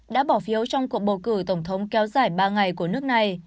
đã bỏ phiếu trong cuộc bầu cử tổng thống kéo dài ba ngày của nước này